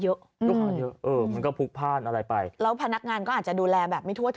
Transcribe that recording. ลูกค้าเยอะเออมันก็พลุกพ่านอะไรไปแล้วพนักงานก็อาจจะดูแลแบบไม่ทั่วถึง